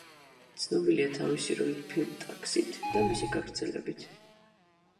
ცნობილია თავისი როლით ფილმ „ტაქსით“ და მისი გაგრძელებით.